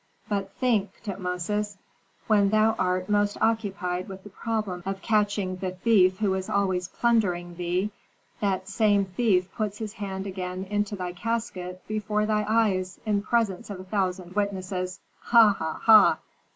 But think, Tutmosis: When thou art most occupied with the problem of catching the thief who is always plundering thee, that same thief puts his hand again into thy casket before thy eyes, in presence of a thousand witnesses. Ha! ha! ha!